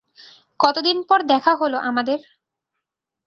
কতদিন পর দেখা হলো আমাদের?